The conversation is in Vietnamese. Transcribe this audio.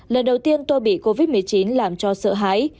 lần đầu tiên tôi bị covid một mươi chín làm cho sợ hãi